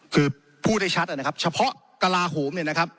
คือพูดได้ชัดนะครับเฉพาะกระลาโหมเนี่ยนะครับ